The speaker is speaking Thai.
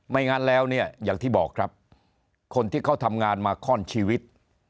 งั้นแล้วเนี่ยอย่างที่บอกครับคนที่เขาทำงานมาข้อนชีวิต